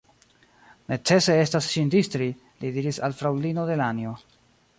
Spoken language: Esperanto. Necese estas ŝin distri, li diris al fraŭlino Delanjo.